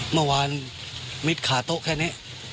เมื่อวานมิดขาโต๊ะแค่นี้